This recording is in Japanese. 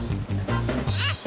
あっ！